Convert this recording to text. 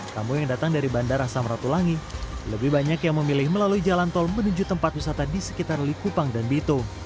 tamu yang datang dari bandara samratulangi lebih banyak yang memilih melalui jalan tol menuju tempat wisata di sekitar likupang dan bitung